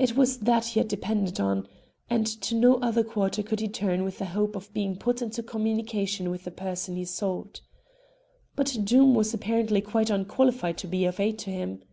It was that he had depended on, and to no other quarter could he turn with a hope of being put into communication with the person he sought. But Doom was apparently quite unqualified to be an aid to him.